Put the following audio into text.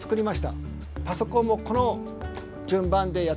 パソコンもこの順番でやっていけばいいと。